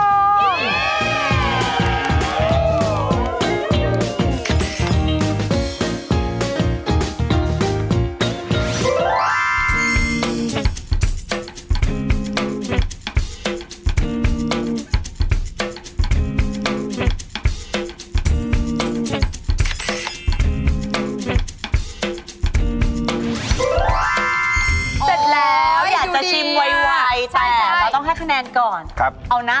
หน้าตาอาหารนะคะไม่ใช่พวกเรา